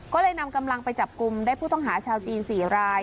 ก็เลยนำกำลังไปจับกลุ่มได้ผู้ต้องหาชาวจีน๔ราย